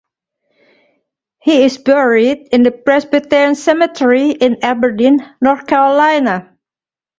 He is buried in the Presbyterian Cemetery in Aberdeen, North Carolina.